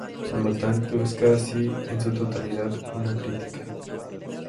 Por lo tanto, es casi en su totalidad una crítica.